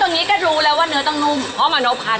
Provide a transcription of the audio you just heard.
พ่อนว่านี้พ่อนว่า